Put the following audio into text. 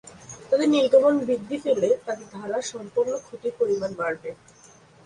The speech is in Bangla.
তাদের নির্গমন বৃদ্ধি পেলে তাদের দ্বারা সম্পন্ন ক্ষতির পরিমাণ বাড়বে।